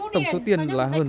tổng số tiền là hơn